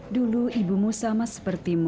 dulu ibumu sama sepertimu